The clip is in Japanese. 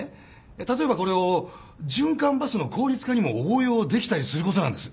例えばこれを循環バスの効率化にも応用できたりすることなんです。